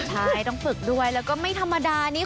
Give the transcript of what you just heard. ใช่ต้องฝึกด้วยแล้วก็ไม่ธรรมดานี้